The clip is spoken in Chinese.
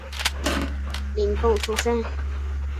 廪贡出身。